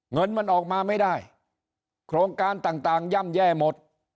เงินมันออกมาไม่ได้โครงการต่างย่ำแย่หมด